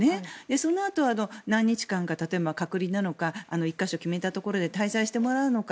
そのあと、何日間か隔離なのか１か所決めたところで滞在してもらうのか